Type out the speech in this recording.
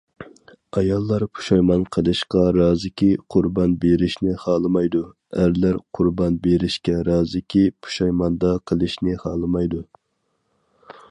ئاياللار پۇشايمان قىلىشقا رازىكى قۇربان بېرىشنى خالىمايدۇ، ئەرلەر قۇربان بېرىشكە رازىكى پۇشايماندا قېلىشنى خالىمايدۇ.